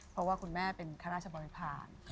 เพราะว่าคุณแม่เป็นข้าราชบริพาณ